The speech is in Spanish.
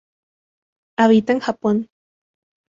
Habita en Japón.